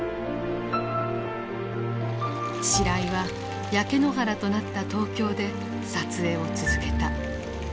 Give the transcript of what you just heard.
白井は焼け野原となった東京で撮影を続けた。